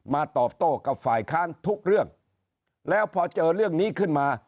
ตอบโต้กับฝ่ายค้านทุกเรื่องแล้วพอเจอเรื่องนี้ขึ้นมา